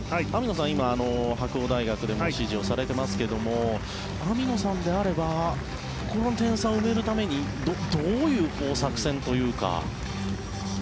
今、白鴎大学で指示をされていますが網野さんであればこの点差を埋めるためにどういう作戦というか。